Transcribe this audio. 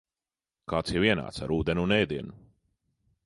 Kāds jau ienāca ar ūdeni un ēdienu.